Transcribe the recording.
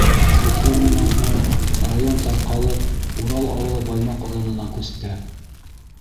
Реформанан һуң район тарҡалып, Урал ауылы Баймаҡ районына күсте.